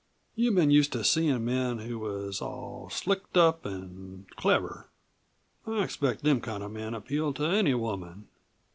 You've been used to seein' men who was all slicked up an' clever. I expect them kind of men appeal to any woman.